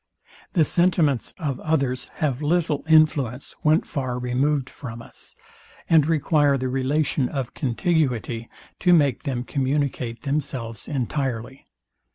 The sentiments of others have little influence, when far removed from us, and require the relation of contiguity, to make them communicate themselves entirely.